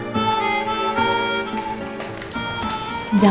jangan lupa ya mas